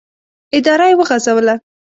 اداره یې وغځوله.